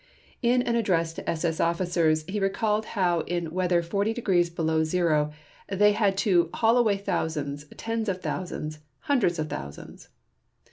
In an address to SS officers he recalled how in weather 40 degrees below zero they had to "haul away thousands, tens of thousands, hundreds of thousands".